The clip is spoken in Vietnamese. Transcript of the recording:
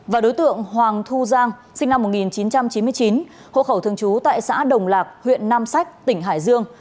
và đối tượng hoàng thu giang sinh năm một nghìn chín trăm chín mươi chín hộ khẩu thường trú tại xã đồng lạc huyện nam sách tỉnh hải dương